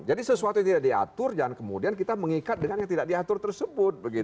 jadi sesuatu yang tidak diatur jangan kemudian kita mengikat dengan yang tidak diatur tersebut begitu